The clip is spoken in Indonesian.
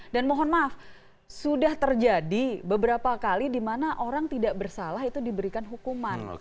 dan mohon maaf sudah terjadi beberapa kali di mana orang tidak bersalah itu diberikan hukuman